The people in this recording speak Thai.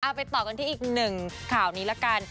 ไปต่อกันที่อีกหนึ่งข่าวนี้ละกัน